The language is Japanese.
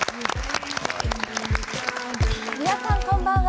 皆さん、こんばんは。